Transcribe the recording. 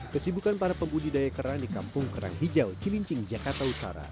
kesibukan para pembudidaya kerang di kampung kerang hijau cilincing jakarta utara